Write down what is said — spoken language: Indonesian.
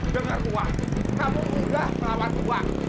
dengar ma kamu mudah melawan gua